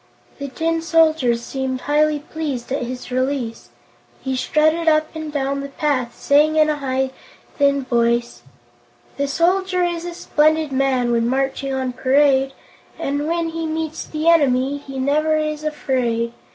The Tin Soldier seemed highly pleased at his release. He strutted up and down the path, saying in a high, thin voice: "The Soldier is a splendid man When marching on parade, And when he meets the enemy He never is afraid.